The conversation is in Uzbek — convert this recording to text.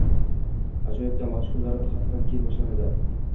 - Ajoyib! Dam olish kunlari bir haftadan keyin boshlanadi.